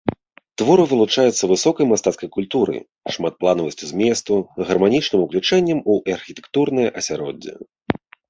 Творы вылучаюцца высокай мастацкай культурай, шматпланавасцю зместу, гарманічным уключэннем у архітэктурнае асяроддзе.